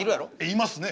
いますね。